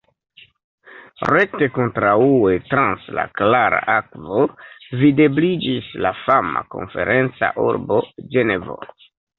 Rekte kontraŭe trans la klara akvo videbliĝis la fama konferenca urbo Ĝenevo.